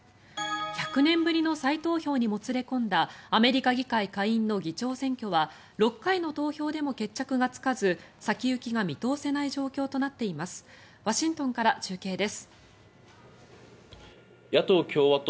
１００年ぶりの再投票にもつれ込んだアメリカ議会下院の議長選は６回の投票でも決着がつかず先行きが見通せない状況となっています。